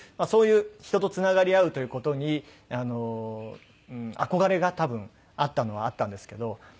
そういう人とつながり合うという事に憧れが多分あったのはあったんですけど。